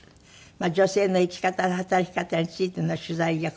女性の生き方働き方についての取材や講演が多い。